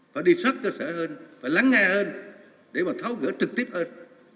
phải đi sát cơ sở hơn phải lắng nghe hơn để mà tháo gỡ trực tiếp hơn